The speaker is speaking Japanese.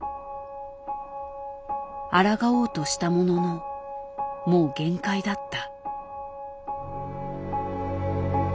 あらがおうとしたもののもう限界だった。